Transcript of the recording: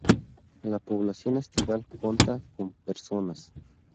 La población estival conta con personas.